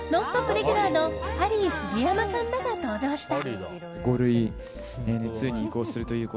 レギュラーのハリー杉山さんらが登場した。